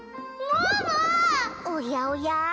おやおや？